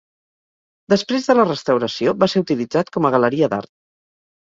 Després de la restauració va ser utilitzat com a galeria d'art.